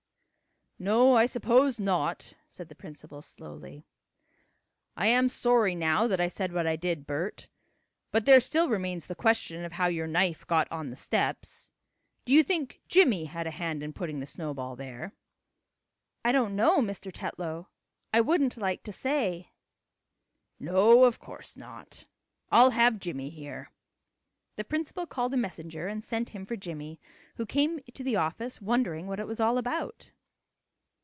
"No, I suppose not," said the principal slowly. "I am sorry now that I said what I did, Bert. But there still remains the question of how your knife got on the steps. Do you think Jimmie had a hand in putting the snowball there?" "I don't know, Mr. Tetlow. I wouldn't like to say." "No, of course not. I'll have Jimmie here." The principal called a messenger and sent him for Jimmie, who came to the office wondering what it was all about.